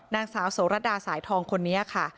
นางสาวโสรดาสายทองคนนี้ค่ะ